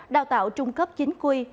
đào tạo trung cấp chính quy